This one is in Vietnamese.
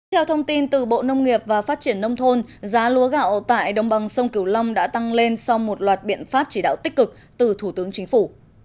theo thông tin từ bộ nông nghiệp và phát triển nông thôn giá lúa gạo tại đồng bằng sông cửu long đã tăng lên sau một loạt biện pháp chỉ đạo tích cực từ thủ tướng chính phủ